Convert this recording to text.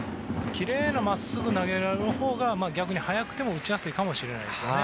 奇麗に真っすぐ投げられるほうが逆に速くても打ちやすいかもしれないですね。